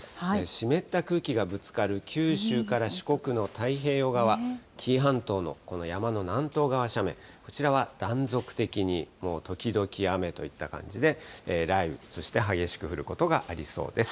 湿った空気がぶつかる九州から四国の太平洋側、紀伊半島の山の南東斜面、こちらは断続的に、もう時々雨といった感じで、雷雨、そして激しく降ることがありそうです。